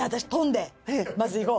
まずいこう。